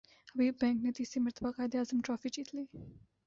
حبیب بینک نے تیسری مرتبہ قائد اعظم ٹرافی جیت لی